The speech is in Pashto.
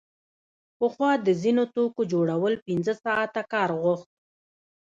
پخوا د ځینو توکو جوړول پنځه ساعته کار غوښت